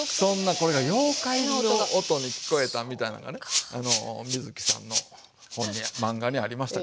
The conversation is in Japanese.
これが妖怪の音に聞こえたみたいなんがねあの水木さんの本に漫画にありましたけども。